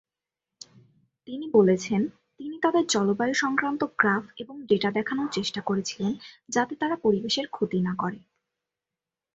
তিনি বলেছেন, তিনি তাদের জলবায়ু সংক্রান্ত গ্রাফ এবং ডেটা দেখানোর চেষ্টা করেছিলেন যাতে তারা পরিবেশের ক্ষতি না করে।